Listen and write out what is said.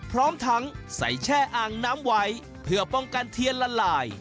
พร้อมทั้งใส่แช่อ่างน้ำไว้เพื่อป้องกันเทียนละลาย